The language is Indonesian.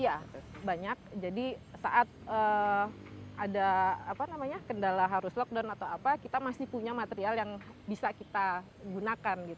iya banyak jadi saat ada kendala harus lockdown atau apa kita masih punya material yang bisa kita gunakan